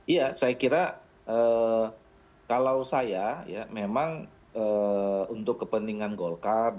iya saya kira kalau saya ya memang untuk kepentingan golkar